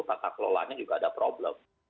tata kelolanya juga ada problem